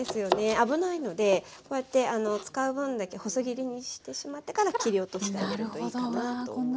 危ないのでこうやって使う分だけ細切りにしてしまってから切り落としてあげるといいかなと思います。